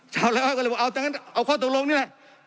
ชาวอะไรอ้อยก็เลยบอกเอาจังงั้นเอาข้อตกลงนี่แหละ